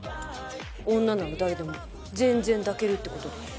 女なら誰でも全然抱けるって事とか。